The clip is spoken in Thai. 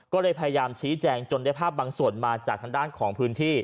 ก็เลยพยายามชี้แจงจนได้ภาพบางส่วนมาจากทางด้านของพื้นที่